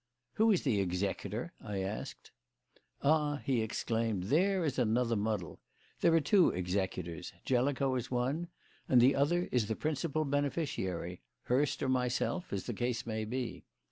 "Who is the executor?" I asked. "Ah!" he exclaimed, "there is another muddle. There are two executors; Jellicoe is one, and the other is the principal beneficiary Hurst or myself, as the case may be.